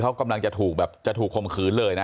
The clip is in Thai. เขากำลังจะถูกคมขืนเลยนะ